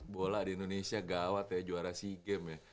bola di indonesia gawat ya juara sea games ya